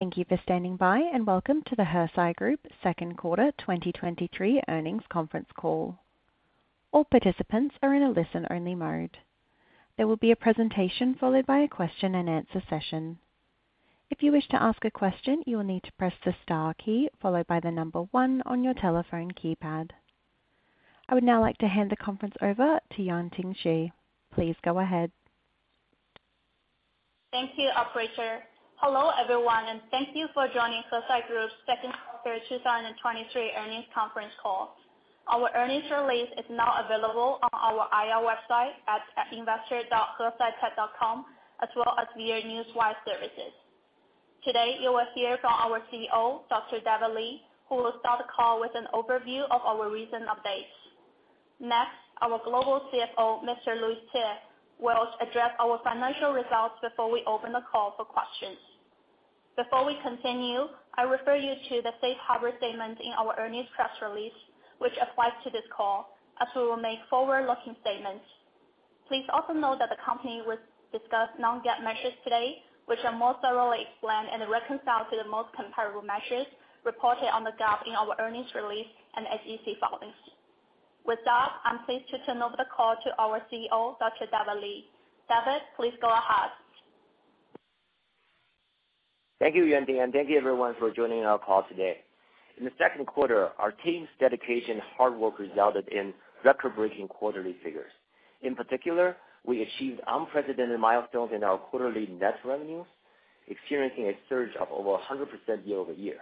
Thank you for standing by, and welcome to the Hesai Group second quarter 2023 earnings conference call. All participants are in a listen-only mode. There will be a presentation, followed by a question-and-answer session. If you wish to ask a question, you will need to press the star key followed by the 1 on your telephone keypad. I would now like to hand the conference over to Yuanting Shi. Please go ahead. Thank you, operator. Hello, everyone, thank you for joining Hesai Group's 2nd quarter 2023 earnings conference call. Our earnings release is now available on our IR website at investor.hesaitech.com, as well as via Newswire services. Today, you will hear from our CEO, Dr. David Li, who will start the call with an overview of our recent updates. Next, our Global CFO, Mr. Louis Hsieh, will address our financial results before we open the call for questions. Before we continue, I refer you to the safe harbor statement in our earnings press release, which applies to this call, as we will make forward-looking statements. Please also note that the company will discuss non-GAAP measures today, which are more thoroughly explained and reconciled to the most comparable measures reported on the GAAP in our earnings release and SEC filings. With that, I'm pleased to turn over the call to our CEO, Dr. David Li. David, please go ahead. Thank you, Yunting, and thank you everyone for joining our call today. In the second quarter, our team's dedication, hard work resulted in record-breaking quarterly figures. In particular, we achieved unprecedented milestones in our quarterly net revenues, experiencing a surge of over 100% year-over-year.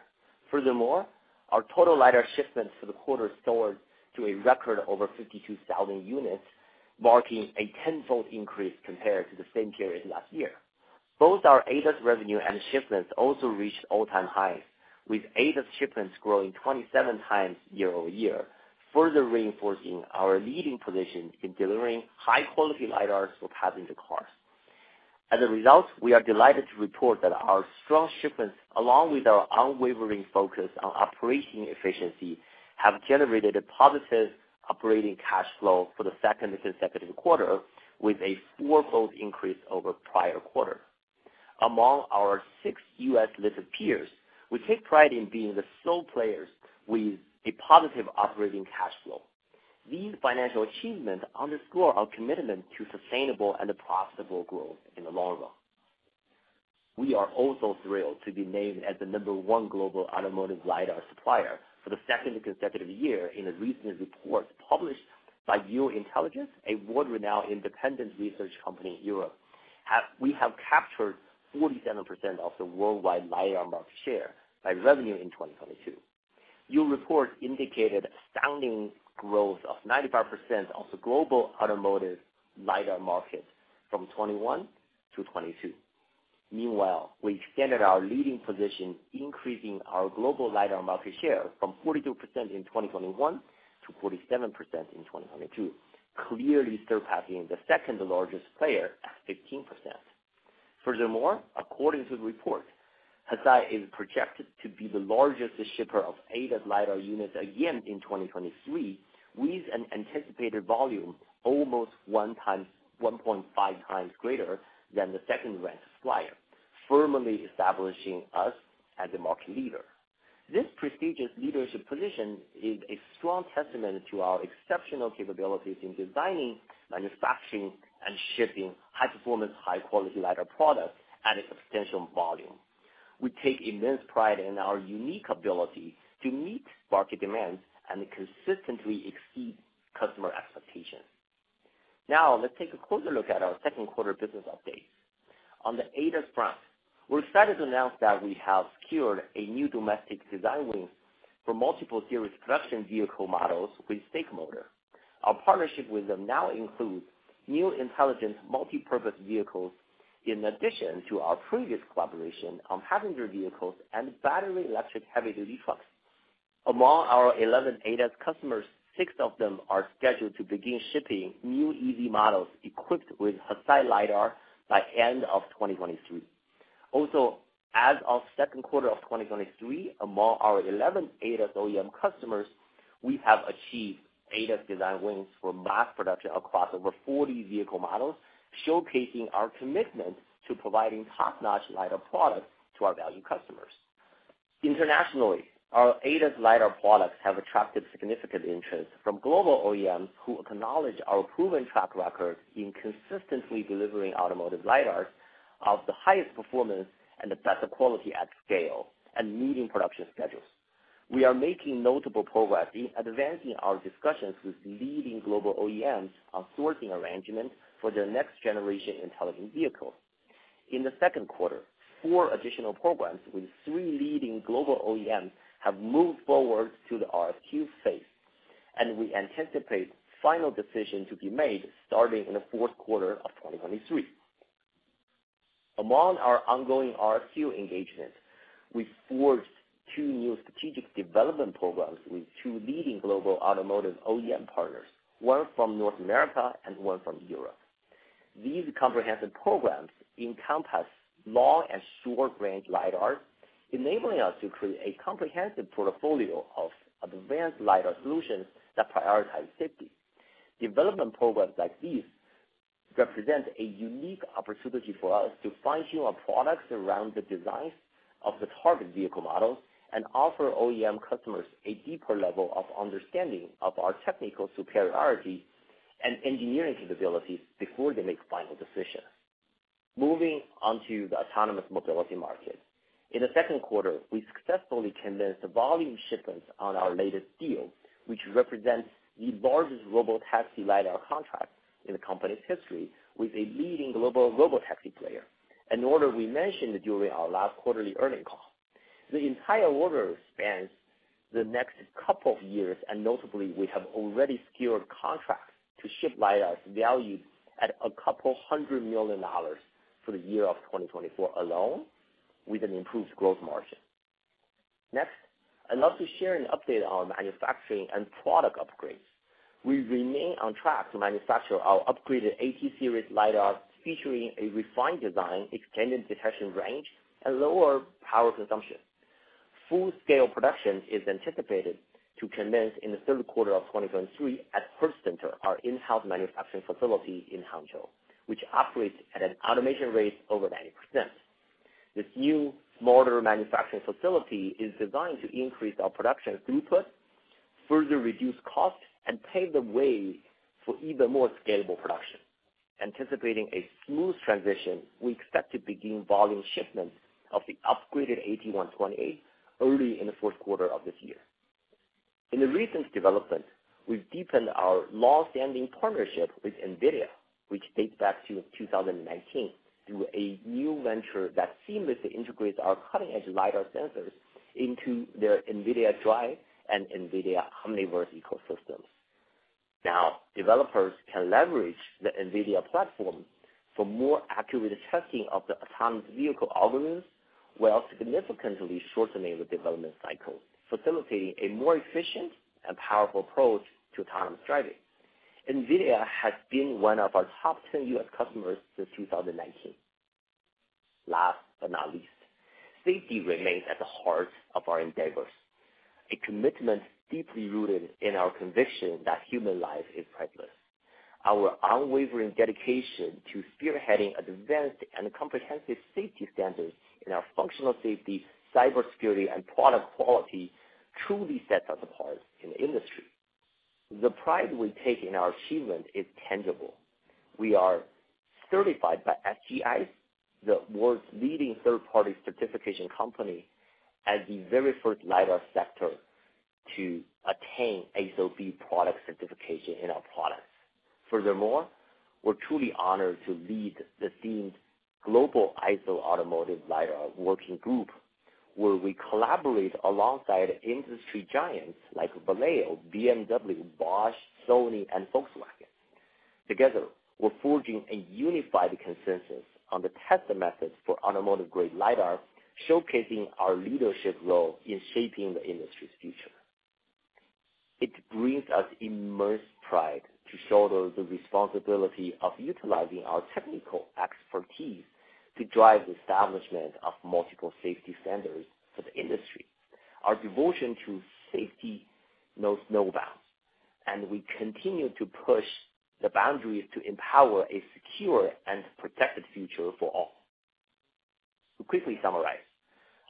Furthermore, our total LiDAR shipments for the quarter soared to a record over 52,000 units, marking a 10-fold increase compared to the same period last year. Both our ADAS revenue and shipments also reached all-time highs, with ADAS shipments growing 27 times year-over-year, further reinforcing our leading position in delivering high-quality LiDARs for passenger cars. As a result, we are delighted to report that our strong shipments, along with our unwavering focus on operating efficiency, have generated a positive operating cash flow for the second consecutive quarter, with a 4-fold increase over prior quarter. Among our 6 U.S. listed peers, we take pride in being the sole players with a positive operating cash flow. These financial achievements underscore our commitment to sustainable and profitable growth in the long run. We are also thrilled to be named as the number 1 global automotive LiDAR supplier for the 2nd consecutive year in a recent report published by Yole Intelligence, a world-renowned independent research company in Europe. We have captured 47% of the worldwide LiDAR market share by revenue in 2022. Yole report indicated astounding growth of 95% of the global automotive LiDAR market from 2021 to 2022. Meanwhile, we extended our leading position, increasing our global LiDAR market share from 42% in 2021 to 47% in 2022, clearly surpassing the second-largest player at 15%. Furthermore, according to the report, Hesai is projected to be the largest shipper of ADAS LiDAR units again in 2023, with an anticipated volume almost 1 time, 1.5 times greater than the second-ranked supplier, firmly establishing us as the market leader. This prestigious leadership position is a strong testament to our exceptional capabilities in designing, manufacturing, and shipping high-performance, high-quality LiDAR products at a substantial volume. We take immense pride in our unique ability to meet market demands and consistently exceed customer expectations. Now, let's take a closer look at our second quarter business update. On the ADAS front, we're excited to announce that we have secured a new domestic design win for multiple series production vehicle models with SAIC Motor. Our partnership with them now includes new intelligent multipurpose vehicles, in addition to our previous collaboration on passenger vehicles and battery electric heavy-duty trucks. Among our 11 ADAS customers, six of them are scheduled to begin shipping new EV models equipped with Hesai LiDAR by end of 2023. Also, as of 2Q of 2023, among our 11 ADAS OEM customers, we have achieved ADAS design wins for mass production across over 40 vehicle models, showcasing our commitment to providing top-notch LiDAR products to our valued customers. Internationally, our ADAS LiDAR products have attracted significant interest from global OEMs, who acknowledge our proven track record in consistently delivering automotive LiDARs of the highest performance and the best quality at scale, and meeting production schedules. We are making notable progress in advancing our discussions with leading global OEMs on sourcing arrangements for their next generation intelligent vehicles. In the 2nd quarter, 4 additional programs with 3 leading global OEMs have moved forward to the RFQ phase, and we anticipate final decision to be made starting in the 4th quarter of 2023. Among our ongoing RFQ engagements, we forged 2 new strategic development programs with 2 leading global automotive OEM partners, one from North America and one from Europe. These comprehensive programs encompass long and short-range LiDAR, enabling us to create a comprehensive portfolio of advanced LiDAR solutions that prioritize safety. Development programs like these represent a unique opportunity for us to fine-tune our products around the designs of the target vehicle models, and offer OEM customers a deeper level of understanding of our technical superiority and engineering capabilities before they make final decisions. Moving on to the Autonomous Mobility market. In the second quarter, we successfully commenced the volume shipments on our latest deal, which represents the largest robotaxi LiDAR contract in the company's history, with a leading global robotaxi player, an order we mentioned during our last quarterly earnings call. The entire order spans the next couple of years, and notably, we have already secured contracts to ship LiDARs valued at $200 million for the year of 2024 alone, with an improved gross margin. Next, I'd love to share an update on manufacturing and product upgrades. We remain on track to manufacture our upgraded AT series LiDAR, featuring a refined design, extended detection range, and lower power consumption. Full-scale production is anticipated to commence in Q3 2023 at Hertz Center, our in-house manufacturing facility in Hangzhou, which operates at an automation rate over 90%. This new, smaller manufacturing facility is designed to increase our production throughput, further reduce costs, and pave the way for even more scalable production. Anticipating a smooth transition, we expect to begin volume shipments of the upgraded AT128 early in the fourth quarter of this year. In the recent development, we've deepened our long-standing partnership with NVIDIA, which dates back to 2019, through a new venture that seamlessly integrates our cutting-edge LiDAR sensors into their NVIDIA DRIVE and NVIDIA Omniverse ecosystems. Now, developers can leverage the NVIDIA platform for more accurate testing of the autonomous vehicle algorithms, while significantly shortening the development cycle, facilitating a more efficient and powerful approach to autonomous driving. NVIDIA has been one of our top 10 U.S. customers since 2019. Last but not least, safety remains at the heart of our endeavors, a commitment deeply rooted in our conviction that human life is priceless. Our unwavering dedication to spearheading advanced and comprehensive safety standards in our functional safety, cybersecurity, and product quality, truly sets us apart in the industry. The pride we take in our achievement is tangible. We are certified by SGI, the world's leading third-party certification company, as the very first LiDAR sector to attain ASIL B product certification in our products. Furthermore, we're truly honored to lead the themed Global ISO Automotive LiDAR Working Group, where we collaborate alongside industry giants like Valeo, BMW, Bosch, Sony, and Volkswagen. Together, we're forging a unified consensus on the test methods for automotive-grade LiDAR, showcasing our leadership role in shaping the industry's future. It brings us immense pride to shoulder the responsibility of utilizing our technical expertise to drive the establishment of multiple safety standards for the industry. Our devotion to safety knows no bounds, and we continue to push the boundaries to empower a secure and protected future for all. To quickly summarize,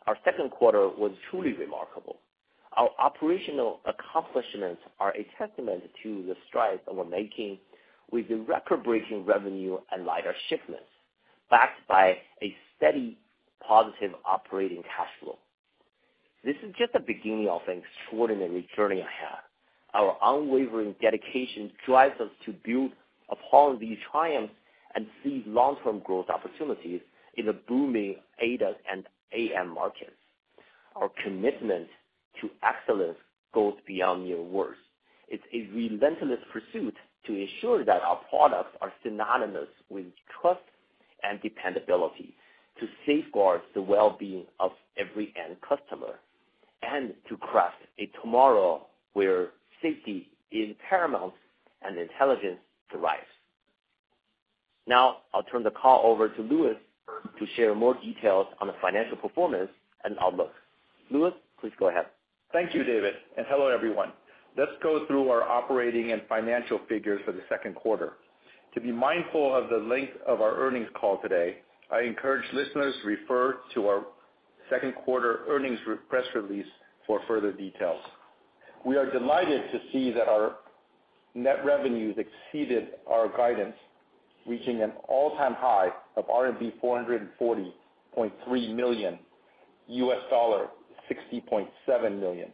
our second quarter was truly remarkable. Our operational accomplishments are a testament to the strides that we're making with the record-breaking revenue and LiDAR shipments, backed by a steady, positive operating cash flow. This is just the beginning of an extraordinary journey ahead. Our unwavering dedication drives us to build upon these triumphs and see long-term growth opportunities in the booming ADAS and AM markets. Our commitment to excellence goes beyond mere words. It's a relentless pursuit to ensure that our products are synonymous with trust and dependability, to safeguard the well-being of every end customer, and to craft a tomorrow where safety is paramount and intelligence thrives. Now, I'll turn the call over to Louis to share more details on the financial performance and outlook. Louis, please go ahead. Thank you, David, and hello, everyone. Let's go through our operating and financial figures for the second quarter. To be mindful of the length of our earnings call today, I encourage listeners to refer to our second quarter earnings press release for further details. We are delighted to see that our net revenues exceeded our guidance, reaching an all-time high of RMB 440.3 million, $60.7 million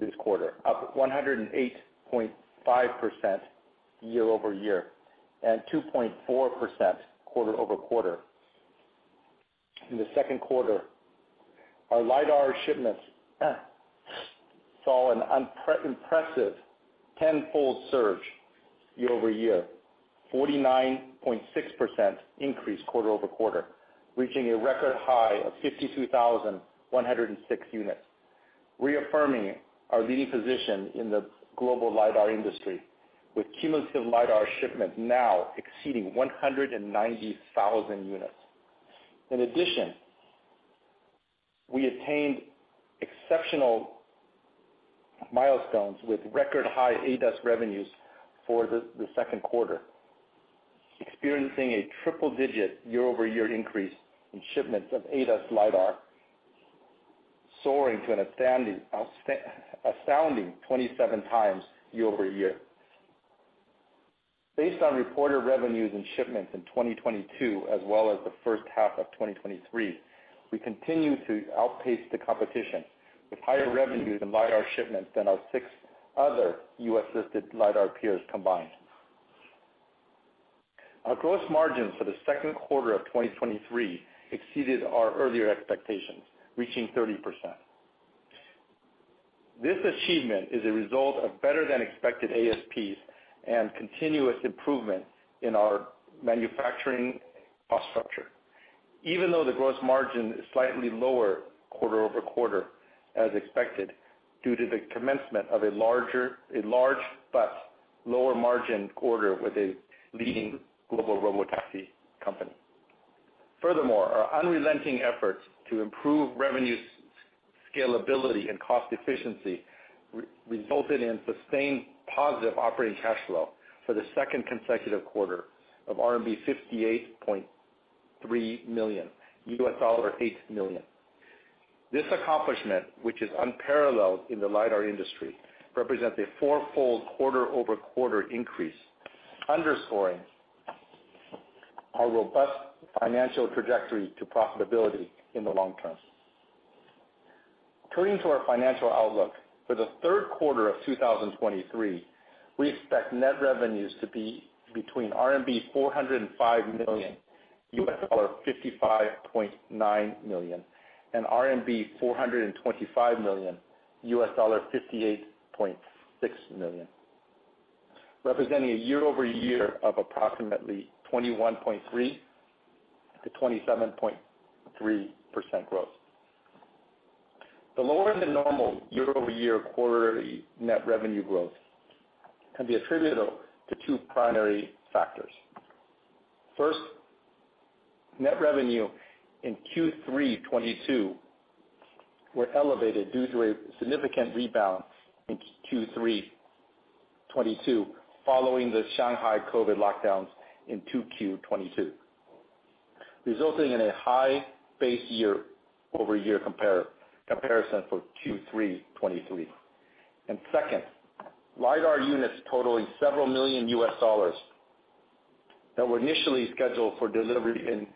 this quarter, up 108.5% year-over-year, and 2.4% quarter-over-quarter. In the second quarter, our LiDAR shipments saw an impressive tenfold surge year-over-year, 49.6% increase quarter-over-quarter, reaching a record high of 52,106 units, reaffirming our leading position in the global LiDAR industry, with cumulative LiDAR shipments now exceeding 190,000 units. We attained exceptional milestones with record high ADAS revenues for the second quarter, experiencing a triple-digit year-over-year increase in shipments of ADAS LiDAR, soaring to an outstanding, astounding 27 times year-over-year. Based on reported revenues and shipments in 2022, as well as the first half of 2023, we continue to outpace the competition, with higher revenues and LiDAR shipments than our six other US-listed LiDAR peers combined. Our gross margins for the second quarter of 2023 exceeded our earlier expectations, reaching 30%. This achievement is a result of better than expected ASPs and continuous improvement in our manufacturing cost structure. The gross margin is slightly lower quarter-over-quarter, as expected, due to the commencement of a large but lower margin quarter with a leading global robotaxi company. Our unrelenting efforts to improve revenue scalability and cost efficiency resulted in sustained positive operating cash flow for the second consecutive quarter of RMB 58.3 million, $8 million. This accomplishment, which is unparalleled in the LiDAR industry, represents a fourfold quarter-over-quarter increase, underscoring our robust financial trajectory to profitability in the long term. Turning to our financial outlook. For the third quarter of 2023, we expect net revenues to be between RMB 405 million, $55.9 million, and RMB 425 million, $58.6 million, representing a year-over-year of approximately 21.3%-27.3% growth. The lower than normal year-over-year quarterly net revenue growth can be attributed to two primary factors. First, net revenue in Q3 2022 were elevated due to a significant rebound in Q3 2022, following the Shanghai COVID lockdowns in 2Q 2022, resulting in a high base year-over-year compare, comparison for Q3 2023. Second, LiDAR units totaling several million USD that were initially scheduled for delivery in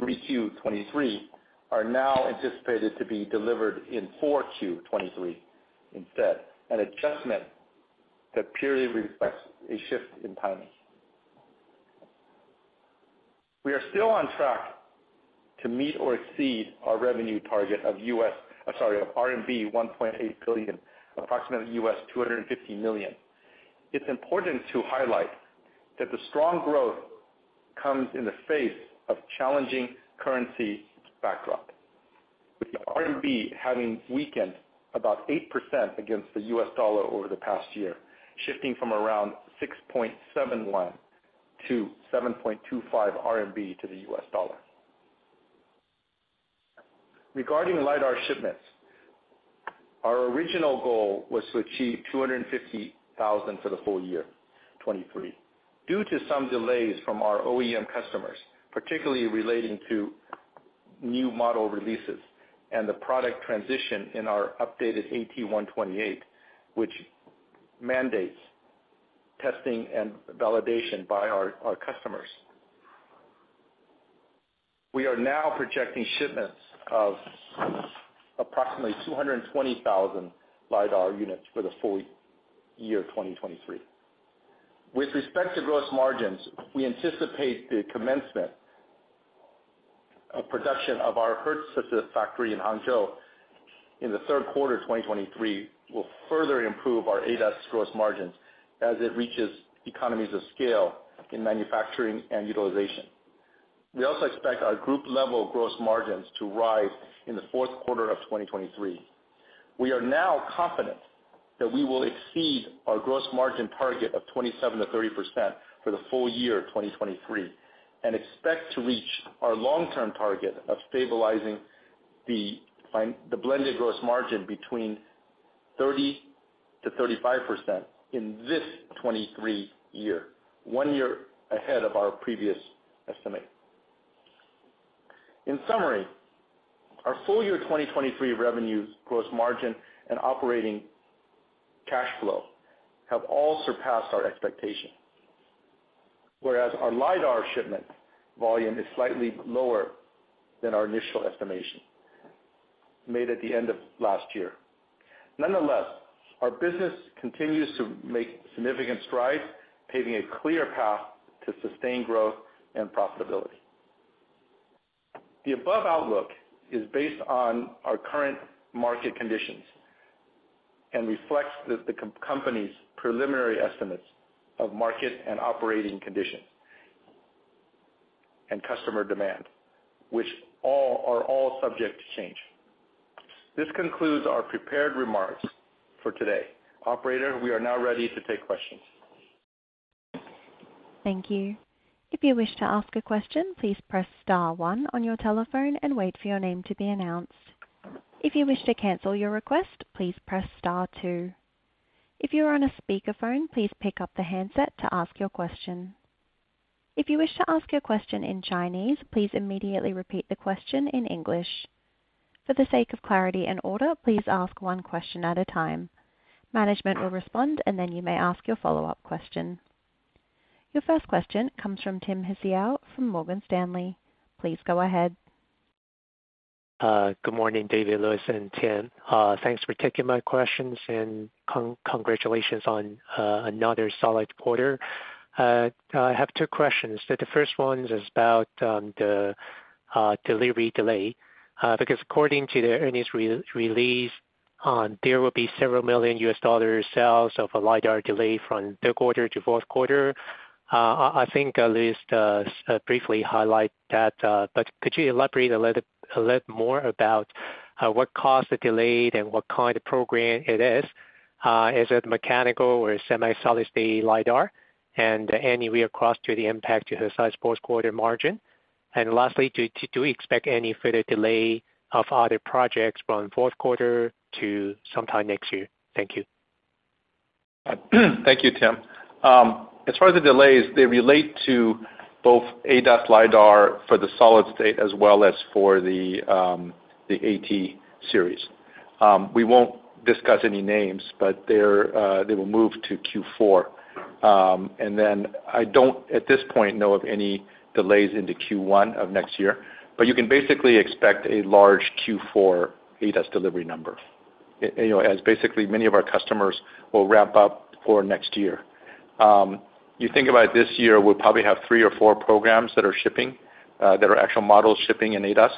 3Q 2023, are now anticipated to be delivered in 4Q 2023 instead, an adjustment that purely reflects a shift in timing. We are still on track to meet or exceed our revenue target of I'm sorry, of RMB 1.8 billion, approximately $250 million. It's important to highlight that the strong growth comes in the face of challenging currency backdrop, with the RMB having weakened about 8% against the US dollar over the past year, shifting from around 6.71 to 7.25 to the US dollar. Regarding LiDAR shipments, our original goal was to achieve 250,000 for the full year 2023. Due to some delays from our OEM customers, particularly relating to new model releases and the product transition in our updated AT128, which mandates testing and validation by our customers, we are now projecting shipments of approximately 220,000 LiDAR units for the full year 2023. With respect to gross margins, we anticipate the commencement of production of our Hertz Center in Hangzhou in the third quarter of 2023, will further improve our ADAS gross margins as it reaches economies of scale in manufacturing and utilization. We also expect our group level gross margins to rise in the fourth quarter of 2023. We are now confident that we will exceed our gross margin target of 27%-30% for the full year of 2023, and expect to reach our long-term target of stabilizing the blended gross margin between 30%-35% in this 2023 year, 1 year ahead of our previous estimate. In summary, our full year 2023 revenues, gross margin, and operating cash flow have all surpassed our expectations, whereas our LiDAR shipment volume is slightly lower than our initial estimation made at the end of last year. Nonetheless, our business continues to make significant strides, paving a clear path to sustained growth and profitability. The above outlook is based on our current market conditions and reflects the company's preliminary estimates of market and operating conditions and customer demand, which are all subject to change. This concludes our prepared remarks for today. Operator, we are now ready to take questions.... Thank you. If you wish to ask a question, please press star one on your telephone and wait for your name to be announced. If you wish to cancel your request, please press star two. If you are on a speakerphone, please pick up the handset to ask your question. If you wish to ask your question in Chinese, please immediately repeat the question in English. For the sake of clarity and order, please ask one question at a time. Management will respond, and then you may ask your follow-up question. Your first question comes from Tim Hsiao from Morgan Stanley. Please go ahead. Good morning, David, Louis, and Tim. Thanks for taking my questions, and congratulations on another solid quarter. I have two questions. The first one is about the delivery delay because according to the earnings release, there will be $several million sales of a LiDAR delay from third quarter to fourth quarter. I think at least briefly highlight that, could you elaborate a little more about what caused the delay and what kind of program it is? Is it mechanical or semi solid-state LiDAR? Any way across to the impact to Hesai's fourth quarter margin. Lastly, do we expect any further delay of other projects from fourth quarter to sometime next year? Thank you. Thank you, Tim. As far as the delays, they relate to both ADAS LiDAR for the solid state as well as for the AT series. We won't discuss any names, but they're, they will move to Q4. I don't, at this point, know of any delays into Q1 of next year, but you can basically expect a large Q4 ADAS delivery number, you know, as basically many of our customers will ramp up for next year. You think about this year, we'll probably have three or four programs that are shipping, that are actual models shipping in ADAS.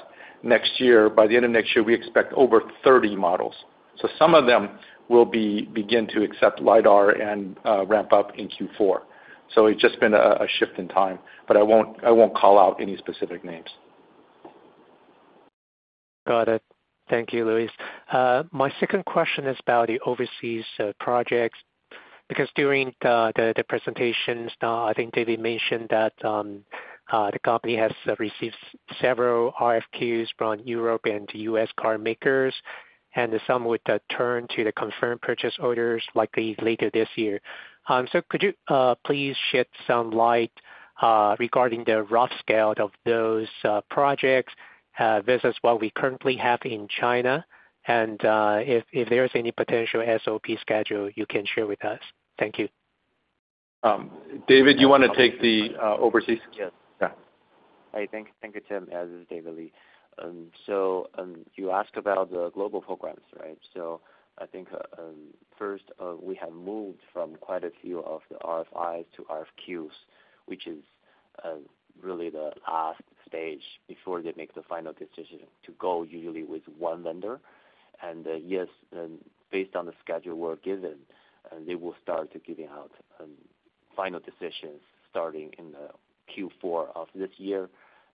Next year, by the end of next year, we expect over 30 models. Some of them will begin to accept LiDAR and ramp up in Q4. It's just been a, a shift in time, but I won't, I won't call out any specific names. Got it. Thank you, Louis. My second question is about the overseas projects, because during the presentations, I think David mentioned that the company has received several RFQs from Europe and U.S. car makers, and some would turn to the confirmed purchase orders likely later this year. So could you please shed some light regarding the rough scale of those projects versus what we currently have in China? If there is any potential SOP schedule you can share with us? Thank you. David, you wanna take the overseas? Yes. Yeah. Hi, thank you, Tim. This is David Li. You asked about the global programs, right? I think, first, we have moved from quite a few of the RFIs to RFQs, which is really the last stage before they make the final decision to go usually with one vendor. Yes, based on the schedule we're given, they will start giving out final decisions starting in the Q4 of this year,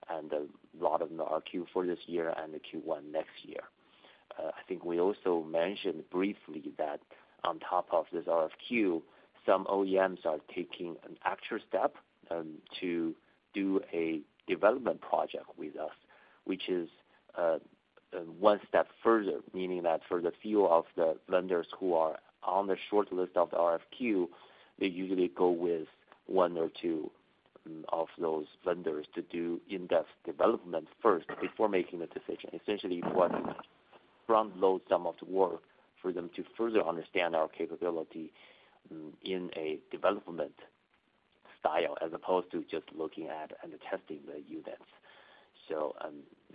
and a lot of them are Q4 this year and the Q1 next year. I think we also mentioned briefly that on top of this RFQ, some OEMs are taking an actual step to do a development project with us, which is one step further, meaning that for the few of the vendors who are on the short list of the RFQ, they usually go with one or 2 of those vendors to do in-depth development first, before making a decision. Essentially, one front load some of the work for them to further understand our capability in a development style, as opposed to just looking at and testing the units.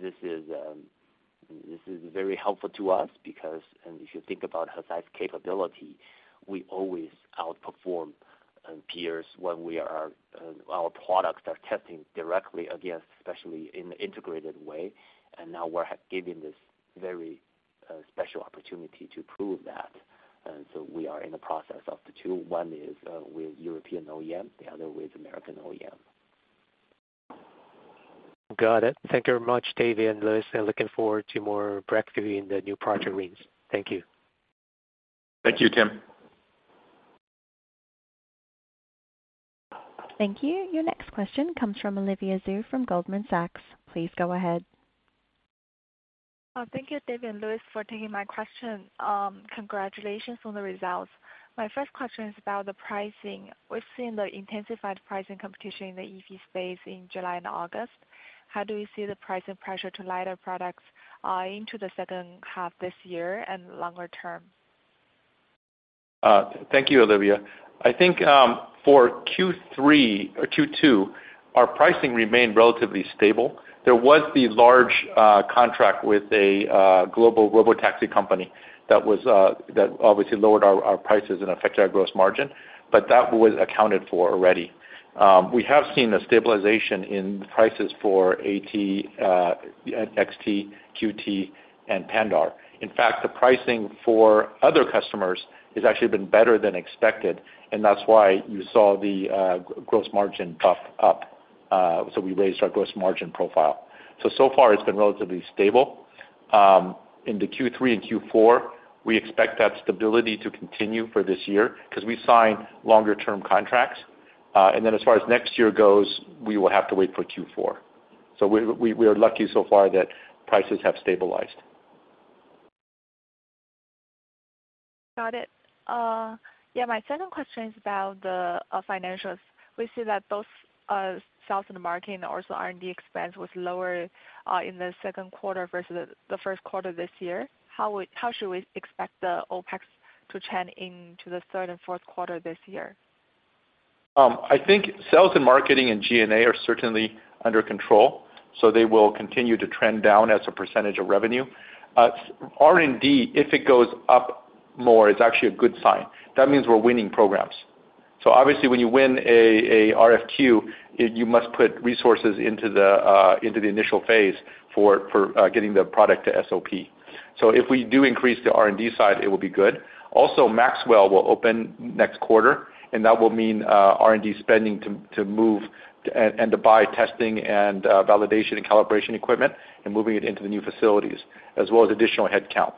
this is, this is very helpful to us because, and if you think about Hesai's capability, we always outperform peers when we are our products are testing directly against, especially in an integrated way, and now we're giving this very special opportunity to prove that. We are in the process of the 2. One is with European OEM, the other with American OEM. Got it. Thank you very much, David and Louis, and looking forward to more breakthrough in the new project wins. Thank you. Thank you, Tim. Thank you. Your next question comes from Olivia Xu, from Goldman Sachs. Please go ahead. Thank you, David and Louis, for taking my question. Congratulations on the results. My first question is about the pricing. We've seen the intensified pricing competition in the EV space in July and August. How do you see the pricing pressure to LiDAR products, into the second half this year and longer term? Thank you, Olivia. I think for Q3 or Q2, our pricing remained relatively stable. There was the large contract with a global robotaxi company that was that obviously lowered our our prices and affected our gross margin, but that was accounted for already. We have seen a stabilization in prices for AT, XT, QT, and Pandar. In fact, the pricing for other customers has actually been better than expected, and that's why you saw the gross margin buff up. We raised our gross margin profile. So far it's been relatively stable. Into Q3 and Q4, we expect that stability to continue for this year, 'cause we sign longer term contracts. Then as far as next year goes, we will have to wait for Q4. We are lucky so far that prices have stabilized. Got it. Yeah, my second question is about the financials. We see that both sales and marketing or also R&D expense was lower in the second quarter versus the first quarter this year. How should we expect the OpEx to trend into the third and fourth quarter this year? I think sales and marketing and G&A are certainly under control, so they will continue to trend down as a percentage of revenue. R&D, if it goes up more, it's actually a good sign. That means we're winning programs. Obviously, when you win a, a RFQ, you, you must put resources into the into the initial phase for for getting the product to SOP. If we do increase the R&D side, it will be good. Maxwell will open next quarter, and that will mean R&D spending to to move and and to buy testing and validation and calibration equipment, and moving it into the new facilities, as well as additional headcount.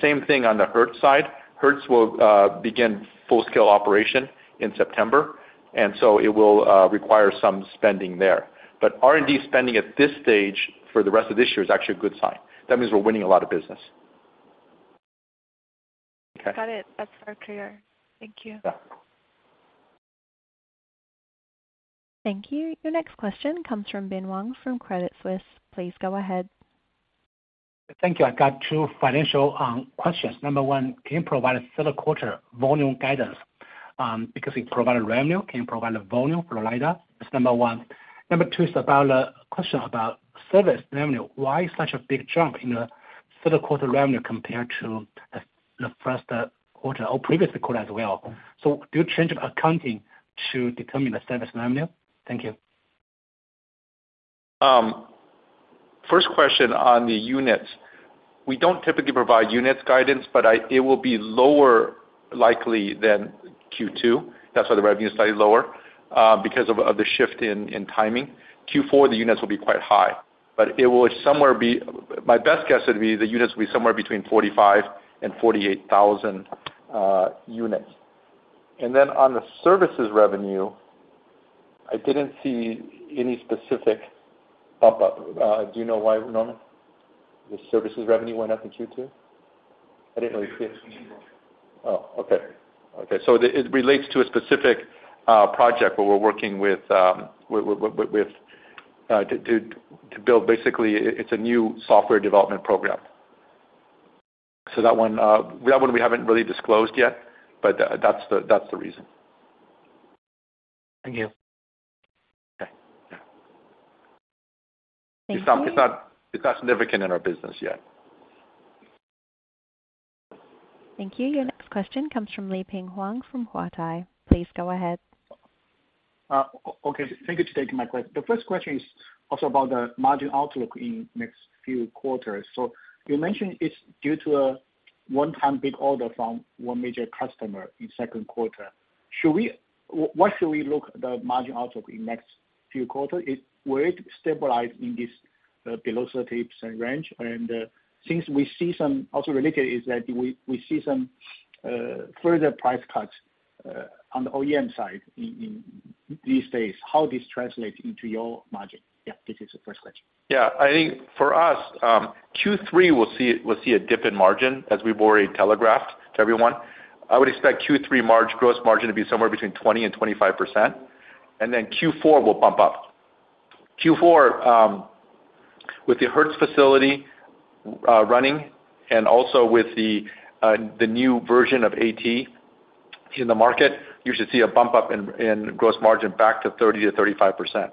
Same thing on the Hertz side. Hertz will begin full-scale operation in September, and so it will require some spending there. R&D spending at this stage for the rest of this year is actually a good sign. That means we're winning a lot of business. Okay. Got it. That's far clearer. Thank you. Yeah. Thank you. Your next question comes from Bin Wang from Credit Suisse. Please go ahead. Thank you. I got two financial questions. Number one, can you provide a third quarter volume guidance? Because you provided revenue, can you provide a volume for LiDAR? That's number one. Number two is about a question about service revenue. Why such a big jump in the third quarter revenue compared to the first quarter or previous quarter as well? Do you change of accounting to determine the service revenue? Thank you. First question on the units. We don't typically provide units guidance, but it will be lower likely than Q2. That's why the revenue is slightly lower, because of, of the shift in, in timing. Q4, the units will be quite high, but it will somewhere be. My best guess would be the units will be somewhere between 45,000 and 48,000 units. On the services revenue, I didn't see any specific pop-up. Do you know why, Nona, the services revenue went up in Q2? I didn't really see it. Oh, okay. Okay, so it, it relates to a specific project where we're working with, with, with, with, to, to, to build basically, it's a new software development program. So that one, that one we haven't really disclosed yet, but that, that's the, that's the reason. Thank you. Okay. Yeah. Thank you. It's not, it's not, it's not significant in our business yet. Thank you. Your next question comes from Liping Huang from Huatai. Please go ahead. Okay, thank you for taking my question. The first question is also about the margin outlook in next few quarters. You mentioned it's due to a one-time big order from one major customer in second quarter. What should we look the margin outlook in next few quarters? Will it stabilize in this below 30s range? Since we see some, also related, is that we see some further price cuts on the OEM side in these days, how this translate into your margin? Yeah, this is the first question. Yeah. I think for us, Q3 will see, will see a dip in margin, as we've already telegraphed to everyone. I would expect Q3 margin, gross margin to be somewhere between 20%-25%, and then Q4 will bump up. Q4, with the Hertz Center running and also with the new version of AT in the market, you should see a bump up in, in gross margin back to 30%-35%.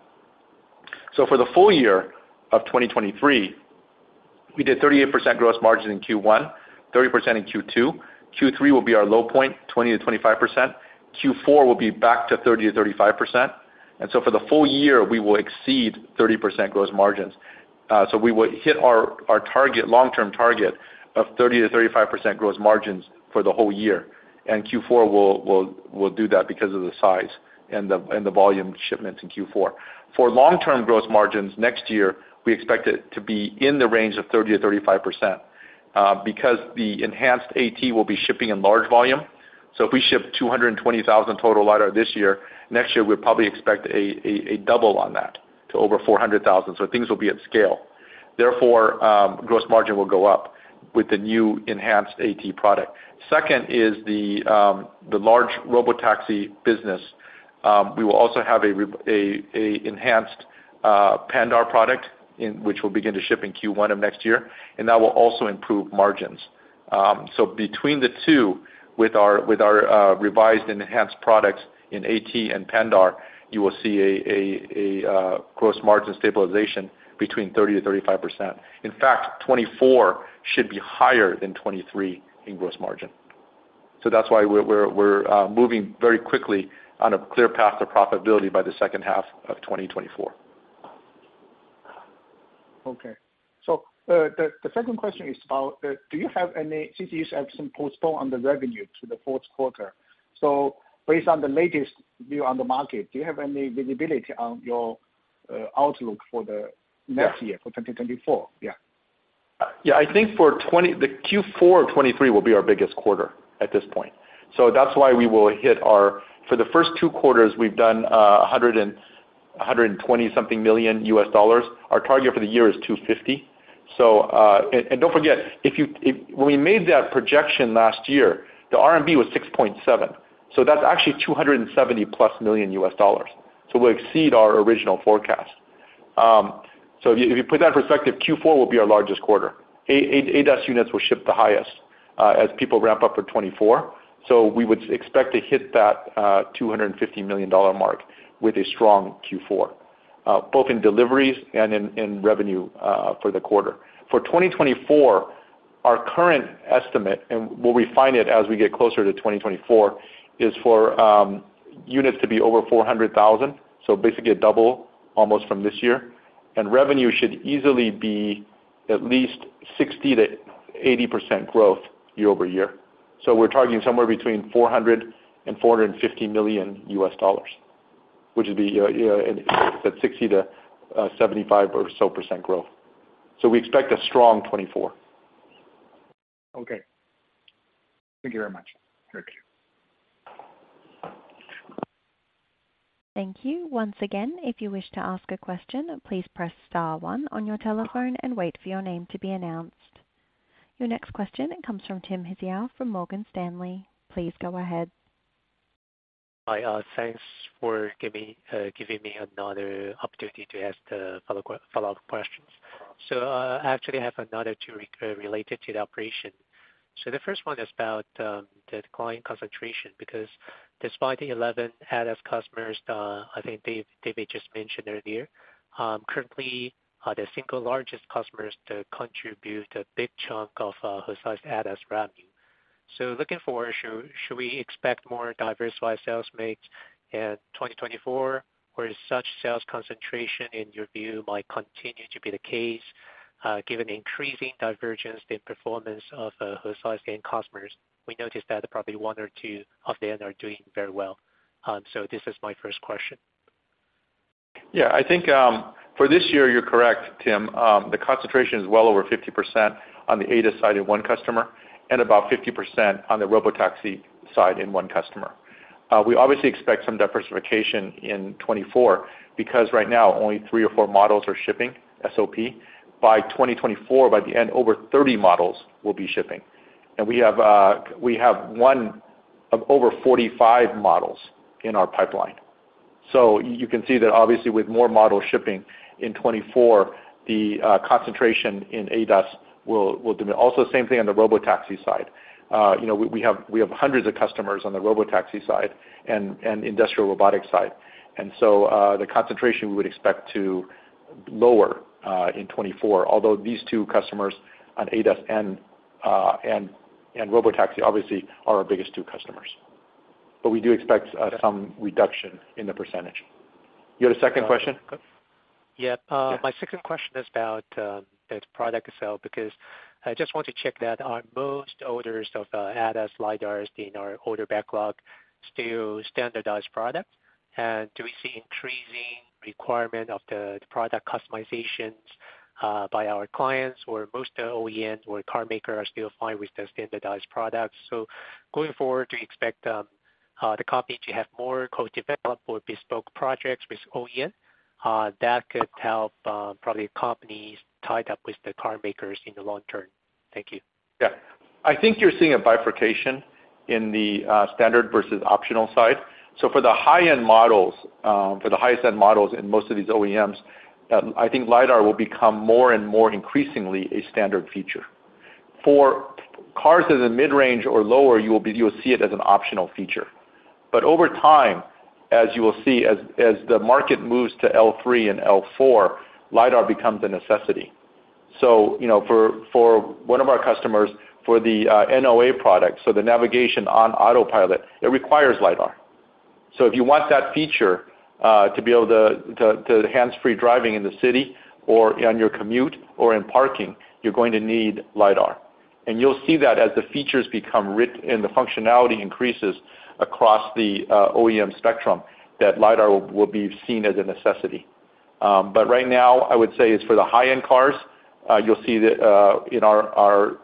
For the full year of 2023, we did 38% gross margin in Q1, 30% in Q2. Q3 will be our low point, 20%-25%. Q4 will be back to 30%-35%. For the full year, we will exceed 30% gross margins. We will hit our, our target, long-term target of 30%-35% gross margins for the whole year, and Q4 will, will, will do that because of the size and the, and the volume shipments in Q4. For long-term gross margins next year, we expect it to be in the range of 30%-35%, because the enhanced AT will be shipping in large volume. If we ship 220,000 total LiDAR this year, next year, we'll probably expect a, a, a double on that to over 400,000. Things will be at scale. Therefore, gross margin will go up with the new enhanced AT product. Second is the, the large robotaxi business. We will also have enhanced Pandar product, in which will begin to ship in Q1 of next year. That will also improve margins. Between the two, with our revised and enhanced products in AT and Pandar, you will see a gross margin stabilization between 30%-35%. In fact, 2024 should be higher than 2023 in gross margin. That's why we're moving very quickly on a clear path to profitability by the second half of 2024. Okay. The, the second question is about, do you have any cases have some postpone on the revenue to the fourth quarter? Based on the latest view on the market, do you have any visibility on your, outlook for the next year... Yeah. - for 2024? Yeah. Yeah, I think the Q4 of 2023 will be our biggest quarter at this point. That's why we will hit our- for the first two quarters, we've done $120 something million. Our target for the year is $250 million. And, and don't forget, if you- if- when we made that projection last year, the RMB was 6.7, so that's actually $270+ million. We'll exceed our original forecast. If you, if you put that in perspective, Q4 will be our largest quarter. A- A- ADAS units will ship the highest as people ramp up for 2024. We would expect to hit that $250 million mark with a strong Q4, both in deliveries and in, in revenue for the quarter. For 2024, our current estimate, and we'll refine it as we get closer to 2024, is for units to be over 400,000. Basically a double almost from this year. Revenue should easily be at least 60%-80% growth year-over-year. We're targeting somewhere between $400 million-$450 million, which would be, you know, that's 60%-75% or so growth. We expect a strong 2024. Okay. Thank you very much. Thank you. Thank you. Once again, if you wish to ask a question, please press star one on your telephone and wait for your name to be announced. Your next question comes from Tim Hsiao from Morgan Stanley. Please go ahead. Hi, thanks for giving, giving me another opportunity to ask the follow-up questions. I actually have another two related to the operation. The first one is about the client concentration, because despite the 11 ADAS customers, I think Dave, David just mentioned earlier, currently, are the single largest customers to contribute a big chunk of Hesai's ADAS revenue. Looking forward, should, should we expect more diversified sales mix in 2024, or is such sales concentration, in your view, might continue to be the case, given the increasing divergence in performance of Hesai's end customers? We noticed that probably one or two of them are doing very well. This is my first question. Yeah, I think, for this year, you're correct, Tim. The concentration is well over 50% on the ADAS side in one customer and about 50% on the robotaxi side in one customer. We obviously expect some diversification in 2024, because right now only 3 or 4 models are shipping SOP. By 2024, by the end, over 30 models will be shipping. We have one of over 45 models in our pipeline. You can see that obviously with more models shipping in 2024, the concentration in ADAS will, will dimi- also, same thing on the robotaxi side. You know, we have hundreds of customers on the robotaxi side and industrial robotic side. The concentration we would expect to lower in 2024, although these two customers on ADAS and, and, and robotaxi, obviously, are our biggest two customers. We do expect some reduction in the percentage. You had a second question? Yeah. Yeah. My second question is about the product itself, because I just want to check that are most orders of ADAS LiDARs in our order backlog, still standardized products? Do we see increasing requirement of the product customizations by our clients, or most of the OEMs or carmakers are still fine with the standardized products? Going forward, do you expect the company to have more co-development or bespoke projects with OEM that could help probably companies tied up with the carmakers in the long term? Thank you. Yeah. I think you're seeing a bifurcation in the standard versus optional side. For the high-end models, for the highest end models in most of these OEMs, I think LiDAR will become more and more increasingly a standard feature. For cars as a mid-range or lower, you'll see it as an optional feature. Over time, as you will see, as, as the market moves to L3 and L4, LiDAR becomes a necessity. You know, for, for one of our customers for the NOA product, so the navigation on autopilot, it requires LiDAR. If you want that feature, to be able to, to, to hands-free driving in the city or on your commute or in parking, you're going to need LiDAR. You'll see that as the features become writ- and the functionality increases across the OEM spectrum, that LiDAR will, will be seen as a necessity. Right now, I would say it's for the high-end cars. You'll see that in our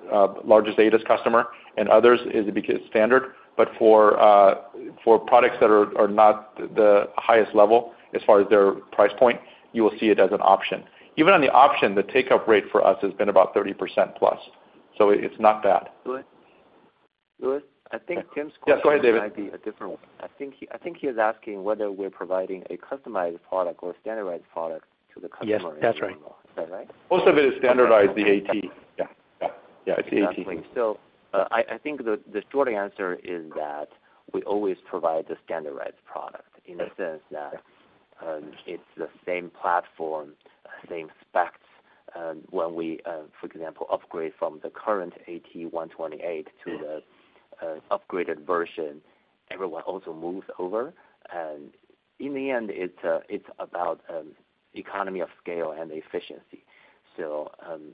largest ADAS customer and others, is because standard. For products that are, are not the highest level as far as their price point, you will see it as an option. Even on the option, the take-up rate for us has been about 30% plus. It's not bad. Louis? Louis, I think Tim's question- Yeah, go ahead, David. might be a different one. I think he is asking whether we're providing a customized product or a standardized product to the customer. Yes, that's right. Is that right? Most of it is standardized, the AT. Yeah. Yeah. Yeah, it's the AT. I, I think the, the short answer is that we always provide the standardized product, in the sense that, it's the same platform, same specs, when we, for example, upgrade from the current AT128 to the upgraded version.... everyone also moves over. In the end, it's about economy of scale and efficiency.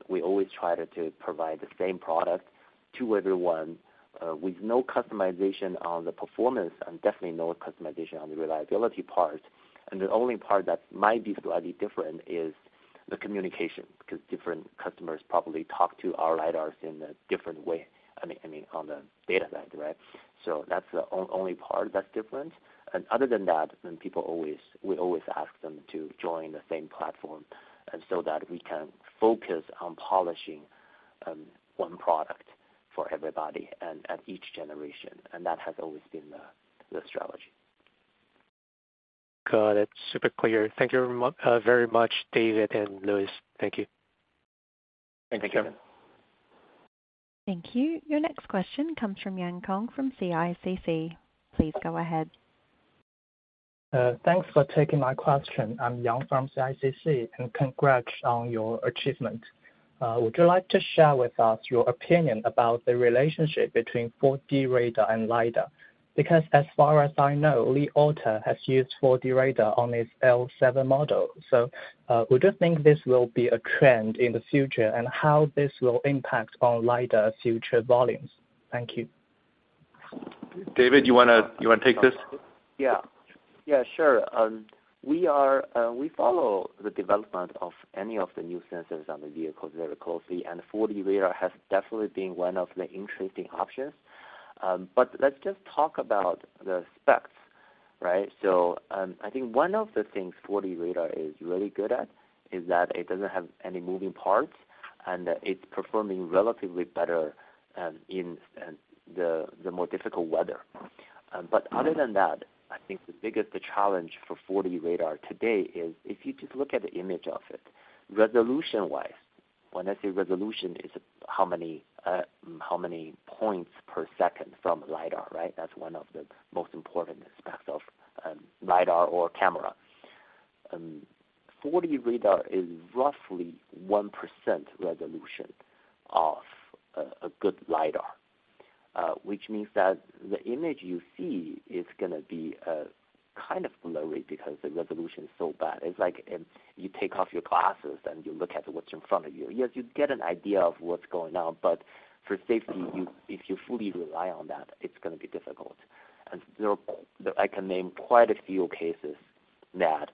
We always try to provide the same product to everyone with no customization on the performance and definitely no customization on the reliability part. The only part that might be slightly different is the communication, because different customers probably talk to our LiDARs in a different way, I mean, I mean, on the data side, right? That's the only part that's different. Other than that, then we always ask them to join the same platform, and so that we can focus on polishing one product for everybody and at each generation, and that has always been the strategy. Got it. Super clear. Thank you very, very much, David and Louis. Thank you. Thank you. Thank you. Your next question comes from Yang Kong from CICC. Please go ahead. Thanks for taking my question. I'm Yang from CICC. Congrats on your achievement. Would you like to share with us your opinion about the relationship between 4D radar and LiDAR? As far as I know, Li Auto has used 4D radar on its L7 model. Would you think this will be a trend in the future, and how this will impact on LiDAR future volumes? Thank you. David, you wanna, you wanna take this? Yeah. Yeah, sure. We are, we follow the development of any of the new sensors on the vehicles very closely, and 4D radar has definitely been one of the interesting options. Let's just talk about the specs, right? I think one of the things 4D radar is really good at, is that it doesn't have any moving parts, and it's performing relatively better, in the, the more difficult weather. Other than that, I think the biggest challenge for 4D radar today is if you just look at the image of it, resolution-wise, when I say resolution, is how many, how many points per second from LiDAR, right? That's one of the most important aspects of LiDAR or camera. 4D radar is roughly 1% resolution of a, a good LiDAR, which means that the image you see is gonna be kind of blurry because the resolution is so bad. It's like, you take off your glasses, and you look at what's in front of you. Yes, you get an idea of what's going on, but for safety, you-- if you fully rely on that, it's gonna be difficult. There, I can name quite a few cases that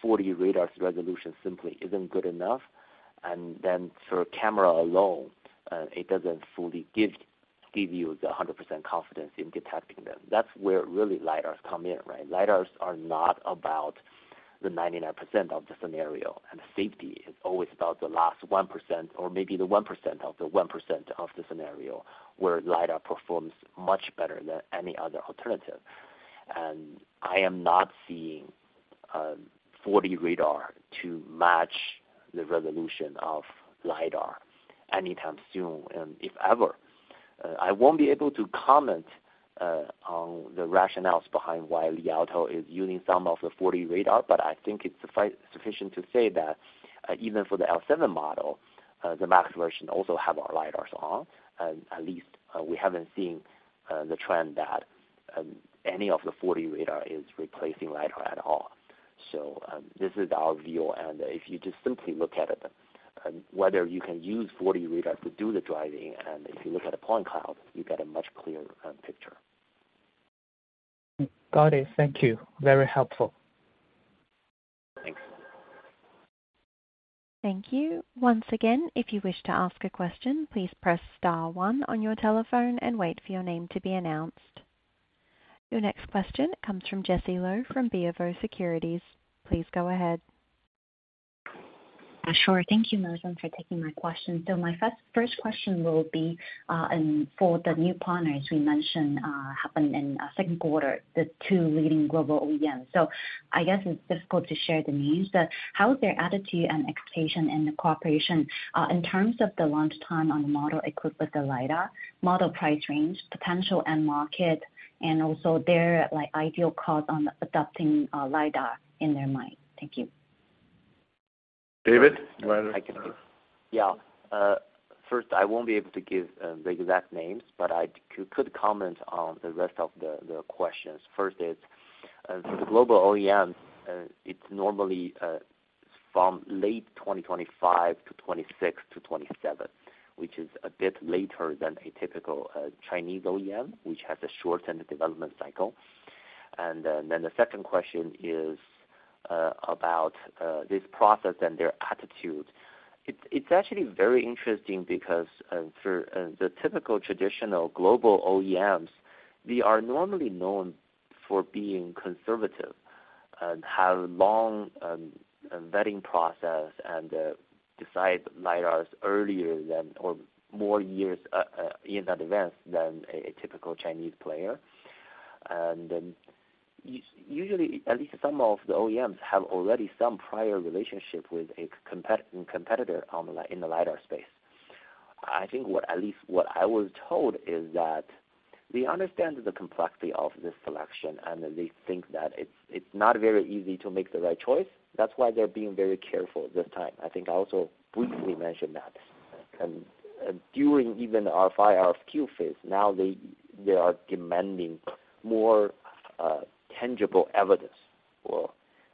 4D radar's resolution simply isn't good enough, and then for camera alone, it doesn't fully give, give you the 100% confidence in detecting them. That's where really LiDARs come in, right? LiDARs are not about the 99% of the scenario. Safety is always about the last 1% or maybe the 1% of the 1% of the scenario, where LiDAR performs much better than any other alternative. I am not seeing 4D radar to match the resolution of LiDAR anytime soon, if ever. I won't be able to comment on the rationales behind why Li Auto is using some of the 4D radar, but I think it's sufficient to say that even for the L7 model, the max version also have our LiDARs on. At least, we haven't seen the trend that any of the 4D radar is replacing LiDAR at all. This is our view, and if you just simply look at it, whether you can use 4D radar to do the driving, and if you look at a point cloud, you get a much clearer, picture. Got it. Thank you. Very helpful. Thanks. Thank you. Once again, if you wish to ask a question, please press star one on your telephone and wait for your name to be announced. Your next question comes from Jessie Lo from BofA Securities. Please go ahead. Sure. Thank you, everyone, for taking my question. My first, first question will be, and for the new partners we mentioned, happened in second quarter, the two leading global OEMs. I guess it's difficult to share the news, but how is their attitude and expectation in the cooperation, in terms of the launch time on the model equipped with the LiDAR, model price range, potential end market, and also their, like, ideal cost on adopting LiDAR in their mind? Thank you. David, do you want to- I can do... Yeah. First, I won't be able to give the exact names, but I could comment on the rest of the questions. First is, for the global OEMs, it's normally from late 2025 to 2026 to 2027, which is a bit later than a typical Chinese OEM, which has a shortened development cycle. Then the second question is about this process and their attitude. It's actually very interesting because for the typical traditional global OEMs, they are normally known for being conservative and have long vetting process and decide LiDARs earlier than or more years in advance than a typical Chinese player. Usually, at least some of the OEMs have already some prior relationship with a competitor on the, in the LiDAR space. I think what, at least, what I was told is that they understand the complexity of this selection, and they think that it's, it's not very easy to make the right choice. That's why they're being very careful this time. I think I also briefly mentioned that. During even our RFQ phase, now they are demanding more tangible evidence.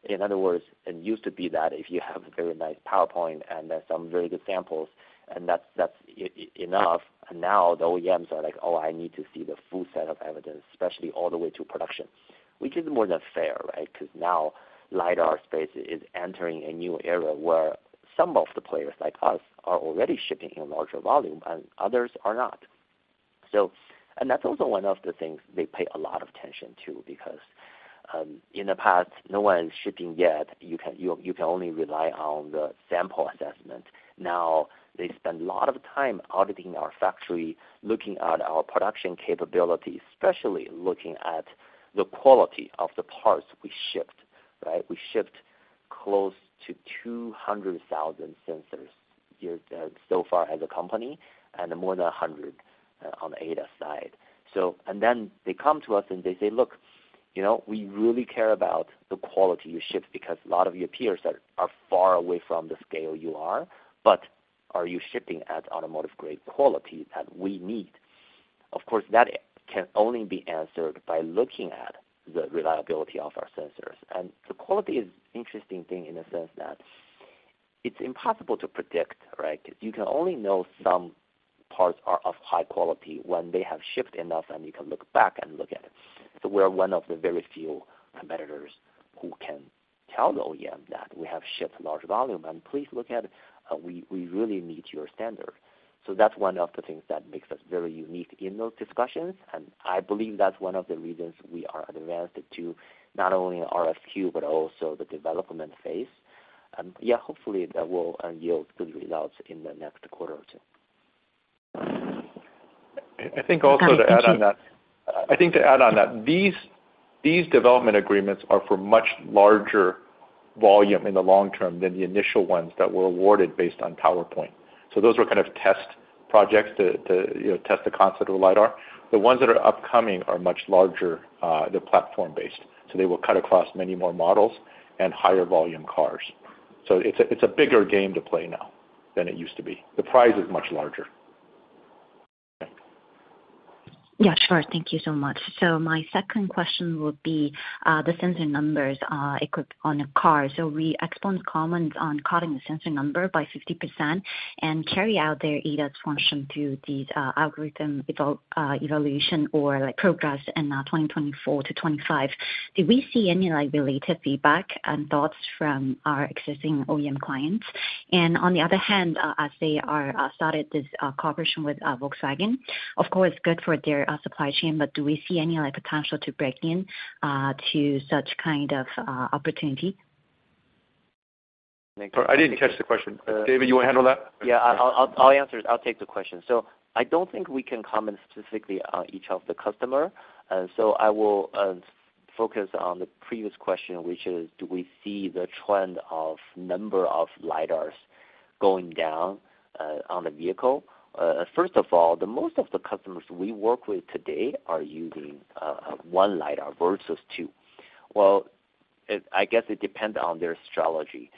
In other words, it used to be that if you have a very nice PowerPoint and then some very good samples, and that's enough, and now the OEMs are like, "Oh, I need to see the full set of evidence, especially all the way to production." Which is more than fair, right? Because now, LiDAR space is entering a new era where some of the players, like us, are already shipping in larger volume, and others are not. That's also one of the things they pay a lot of attention to, because, in the past, no one is shipping yet, you can, you, you can only rely on the sample assessment. Now, they spend a lot of time auditing our factory, looking at our production capabilities, especially looking at the quality of the parts we shipped, right? We shipped close to 200,000 sensors year-- so far as a company, and more than 100 on the ADAS side. Then they come to us, and they say, "Look, you know, we really care about the quality you ship because a lot of your peers are far away from the scale you are. Are you shipping at automotive-grade quality that we need?" Of course, that can only be answered by looking at the reliability of our sensors. The quality is interesting thing in the sense that it's impossible to predict, right? Because you can only know some parts are of high quality when they have shipped enough, and you can look back and look at it. We're one of the very few competitors who can tell the OEM that we have shipped large volume, and please look at, we, we really meet your standard. That's one of the things that makes us very unique in those discussions, and I believe that's one of the reasons we are advanced to not only RFQ, but also the development phase. Yeah, hopefully, that will yield good results in the next quarter or two. I, I think also to add on that... Got it. Thank you. I think to add on that, these, these development agreements are for much larger volume in the long term than the initial ones that were awarded based on PowerPoint. Those were kind of test projects to, you know, test the concept of LiDAR. The ones that are upcoming are much larger, they're platform-based, so they will cut across many more models and higher volume cars. It's a, it's a bigger game to play now than it used to be. The prize is much larger. Yeah, sure. Thank you so much. My second question would be the sensor numbers equipped on a car. We expect comments on cutting the sensor number by 50% and carry out their ADAS function through these algorithm evaluation or, like, progress in 2024-2025. Did we see any, like, related feedback and thoughts from our existing OEM clients? On the other hand, as they are started this cooperation with Volkswagen, of course, good for their supply chain, but do we see any, like, potential to break in to such kind of opportunity? I didn't catch the question. David, you wanna handle that? Yeah, I'll, I'll, I'll answer it. I'll take the question. I don't think we can comment specifically on each of the customer, so I will focus on the previous question, which is: Do we see the trend of number of LiDARs going down on the vehicle? First of all, the most of the customers we work with today are using one LiDAR versus two. Well, I guess it depends on their strategy.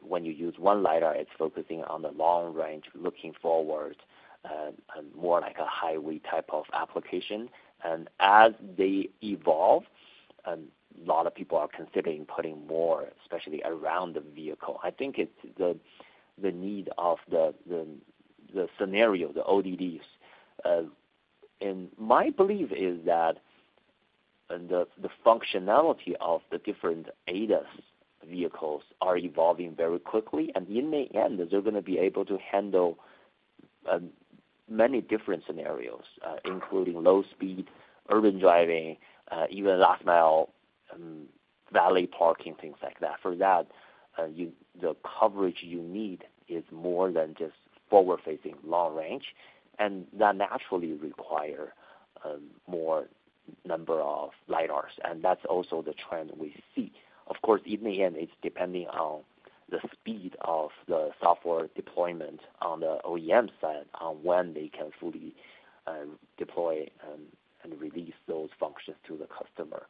When you use one LiDAR, it's focusing on the long range, looking forward, and more like a highway type of application. As they evolve, and a lot of people are considering putting more, especially around the vehicle, I think it's the, the need of the, the, the scenario, the ODDs. My belief is that, and the, the functionality of the different ADAS vehicles are evolving very quickly, and in the end, they're gonna be able to handle many different scenarios, including low speed, urban driving, even last mile, valet parking, things like that. For that, the coverage you need is more than just forward-facing long range, and that naturally require more number of LiDARs, and that's also the trend we see. Of course, in the end, it's depending on the speed of the software deployment on the OEM side, on when they can fully deploy and release those functions to the customer.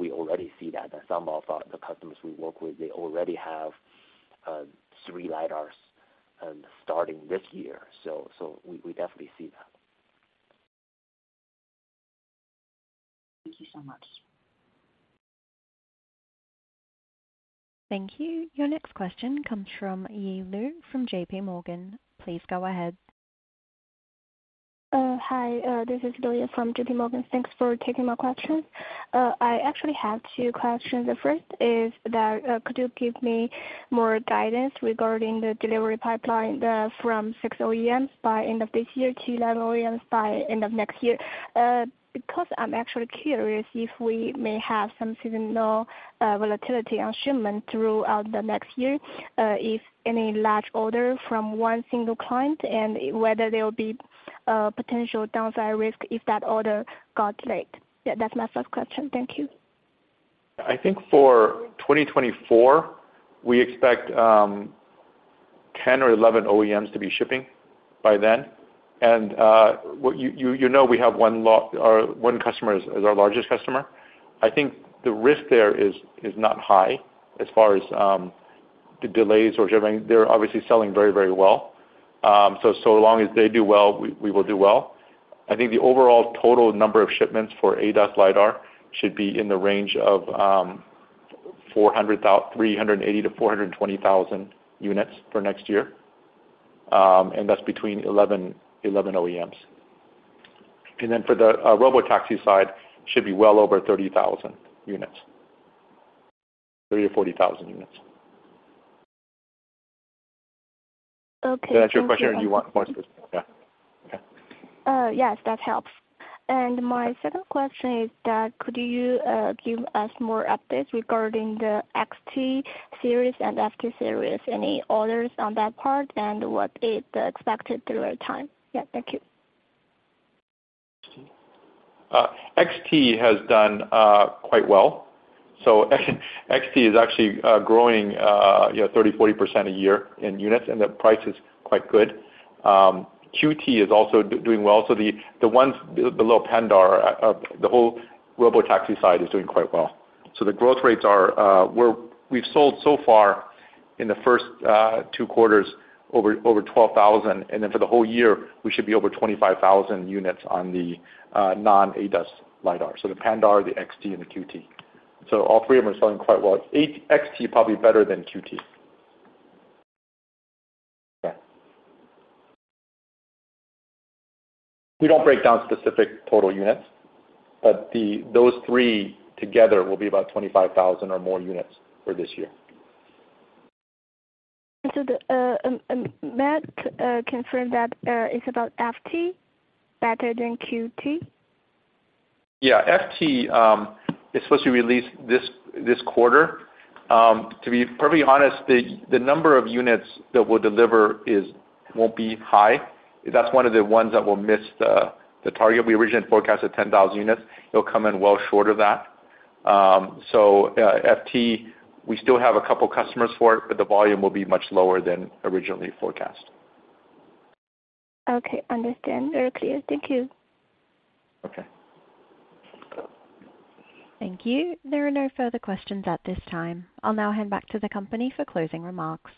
We already see that, that some of our, the customers we work with, they already have 3 LiDARs starting this year. We, we definitely see that. Thank you so much. Thank you. Your next question comes from Yi Lu from JPMorgan. Please go ahead. Hi, this is Yi Lu from JPMorgan. Thanks for taking my questions. I actually have two questions. The first is that, could you give me more guidance regarding the delivery pipeline from six OEMs by end of this year to 11 OEMs by end of next year? Because I'm actually curious if we may have some seasonal volatility on shipment throughout the next year, if any large order from one single client, and whether there will be potential downside risk if that order got late. Yeah, that's my first question. Thank you. I think for 2024, we expect 10 or 11 OEMs to be shipping by then. You know, we have 1 customer is, is our largest customer. I think the risk there is, is not high as far as, the delays or shipping. They're obviously selling very, very well. Long as they do well, we, we will do well. I think the overall total number of shipments for ADAS LiDAR should be in the range of, 380,000-420,000 units for next year. That's between 11, 11 OEMs. For the robotaxi side, should be well over 30,000 units. 30,000-40,000 units. Okay, thank you. Does that answer your question, or you want more specific? Yeah. Okay. Yes, that helps. My second question is that, could you give us more updates regarding the XT series and FT series? Any orders on that part, and what is the expected delivery time? Thank you. XT has done quite well. XT is actually growing, you know, 30%-40% a year in units, and the price is quite good. QT is also doing well. The, the ones below Pandar, the whole robotaxi side is doing quite well. The growth rates are, we've sold so far in the first two quarters, over 12,000, and then for the whole year, we should be over 25,000 units on the non-ADAS LiDAR. The Pandar, the XT, and the QT. All three of them are selling quite well. XT probably better than QT. Yeah. We don't break down specific total units, but those three together will be about 25,000 or more units for this year. The MAT confirmed that it's about FT better than QT? FT is supposed to be released this quarter. To be perfectly honest, the number of units that we'll deliver won't be high. That's one of the ones that will miss the target. We originally forecasted 10,000 units. It'll come in well short of that. FT, we still have a couple customers for it, but the volume will be much lower than originally forecast. Okay, understand. Very clear. Thank you. Okay. Thank you. There are no further questions at this time. I'll now hand back to the company for closing remarks.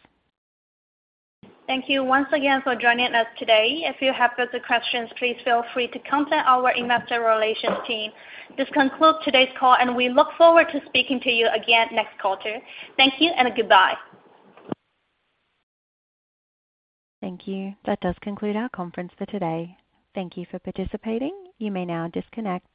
Thank you once again for joining us today. If you have further questions, please feel free to contact our investor relations team. This concludes today's call, and we look forward to speaking to you again next quarter. Thank you, and goodbye. Thank you. That does conclude our conference for today. Thank you for participating. You may now disconnect.